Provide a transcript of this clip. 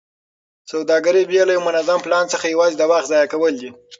سوداګري بې له یوه منظم پلان څخه یوازې د وخت ضایع کول دي.